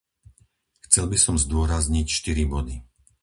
Chcel by som zdôrazniť štyri body.